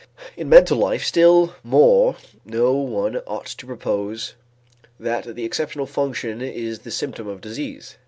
In mental life still more, no one ought to propose that the exceptional function is the symptom of disease.